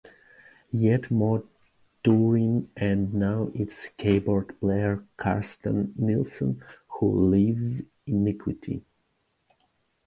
Yet more touring and now it's keyboard player Carsten Nielsen who leaves Iniquity.